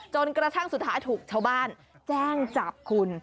จนกระทั่งสุดท้ายถูกชาวบ้านแจ้งจับคุณ